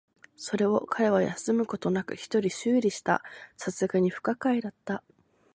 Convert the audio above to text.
それを彼は休むことなく一人修理した。流石に不可解だった。